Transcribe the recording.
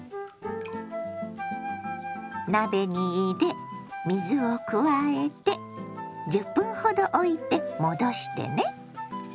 鍋に入れ水を加えて１０分ほどおいて戻してね。